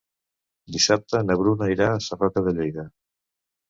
Dissabte na Bruna irà a Sarroca de Lleida.